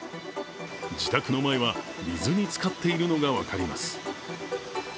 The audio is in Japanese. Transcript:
自宅の前は水につかっているのが分かります。